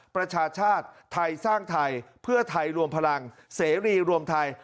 ประชาชาติไทยสร้างไทยเพื่อไทยรวมพลังเสรีรวมไทย